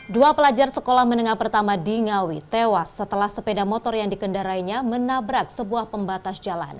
dua pelajar sekolah menengah pertama di ngawi tewas setelah sepeda motor yang dikendarainya menabrak sebuah pembatas jalan